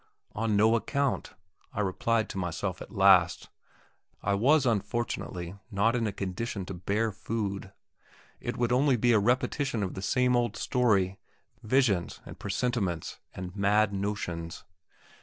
"On no account," I replied to myself at last; I was unfortunately not in a condition to bear food. It would only be a repetition of the same old story visions, and presentiments, and mad notions.